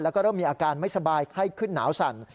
แล้วก็เริ่มมีอาการไม่สบายไข้ขึ้นหนาวสั่น